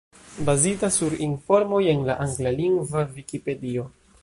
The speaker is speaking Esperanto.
Bazita sur informoj en la anglalingva Vikipedio.